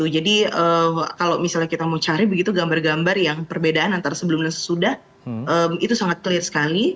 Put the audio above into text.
jadi kalau misalnya kita mau cari begitu gambar gambar yang perbedaan antara sebelum dan sesudah itu sangat clear sekali